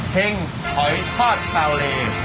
เพลงหอยทอดชาเวลร์